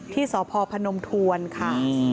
ที่สพพนมทวนค่ะ